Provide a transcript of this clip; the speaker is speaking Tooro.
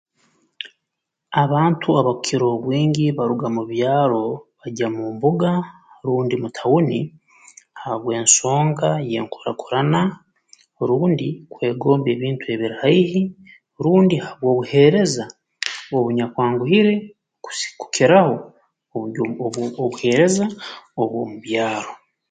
Abantu abakukira obwingi baruga mu byaro bagya mu mbuga rundi mu tauni babw'ensonga y'enkurakurana rundi kwegomba ebintu ebiri haihi rundi habw'obuheereza obunyakwanguhire kusi kukiraho obuli obu obuheereza obw'omu byaro